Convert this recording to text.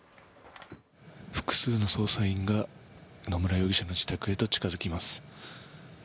複数の捜査員が野村容疑者の自宅へと近付きます。